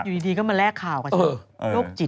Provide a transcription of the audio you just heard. อยู่ดีก็มาแลกข่าวกันเถอะโรคจิต